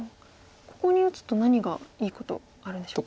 ここに打つと何がいいことあるんでしょう？